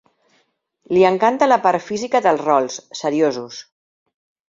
Li encanta la part física dels rols, seriosos.